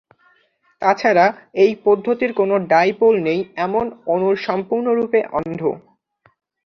তাছাড়া, এই পদ্ধতির কোন ডাইপোল নেই এমন অণুর সম্পূর্ণরূপে অন্ধ।